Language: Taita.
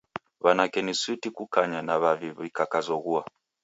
W'anake ni suti kukanya na w'avi w'ikakazoghua.